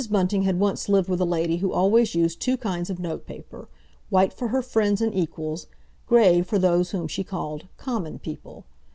Bunting had once lived with a lady who always used two kinds of notepaper, white for her friends and equals, grey for those whom she called "common people."